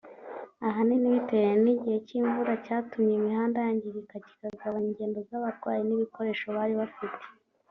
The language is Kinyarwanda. ahanini bitewe n’igihe cy’imvura cyatumye imihanda yangirika kikagabanya ingendo z’aba barwanyi n’ibikoresho bari bafite